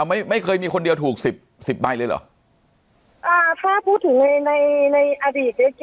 ไม่ไม่เคยมีคนเดียวถูกสิบสิบใบเลยเหรออ่าถ้าพูดถึงในในในอดีตเจ๊เจ๊